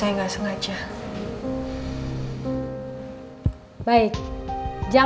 saya sudah ke seluruh negara sekarang